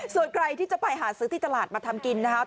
ส่วนใครที่จะไปหาซื้อที่ตลาดมาทำกินนะครับ